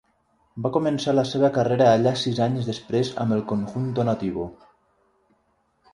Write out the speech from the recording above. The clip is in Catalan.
Va començar la seva carrera allà sis anys després amb el Conjunto Nativo.